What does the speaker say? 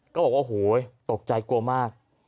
ก็บอกว่าโอ้โหตกใจกลัวมาก